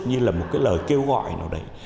như là một cái lời kêu gọi nào đấy